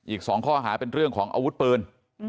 อีก๒ข้อหาเป็นเรื่องของอาวุธปืน